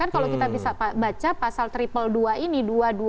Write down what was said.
kalau kita bisa baca pasal dua ratus dua puluh dua ini